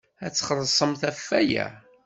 Ad txellṣemt ɣef waya!